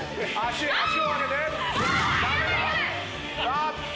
あーっと。